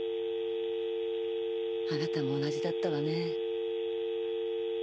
あなたも同じだったわね。